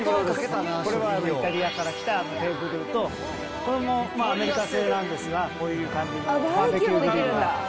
これはイタリアから来たテーブルと、これもアメリカ製なんですが、こういう感じのバーベキューグリルが。